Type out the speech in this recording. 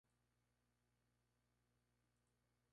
En Polonia era comúnmente conocida como ""Infanta de Polonia"".